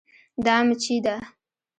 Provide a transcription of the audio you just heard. دا مچي ده